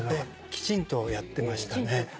きちんとやってましたね。